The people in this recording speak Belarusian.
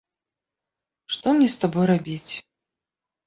Што мне з табой рабіць?